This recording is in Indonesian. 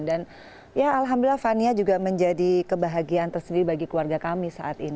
dan ya alhamdulillah fania juga menjadi kebahagiaan tersendiri bagi keluarga kami saat ini